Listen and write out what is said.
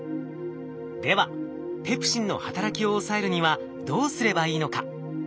ではペプシンの働きを抑えるにはどうすればいいのか。